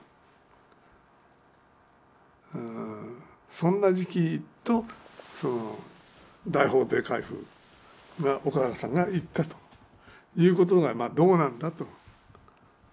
そんな時期と大法廷回付が岡原さんが言ったということがまあどうなんだと。